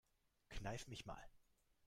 Kneif mich mal.